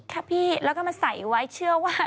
ค่ะพี่แล้วก็มาใส่ไว้เชื่อว่า